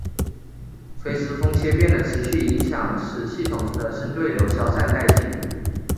垂直风切变的持续影响使系统的深对流消散殆尽。